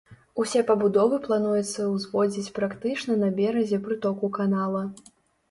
Усе пабудовы плануецца ўзводзіць практычна на беразе прытоку канала.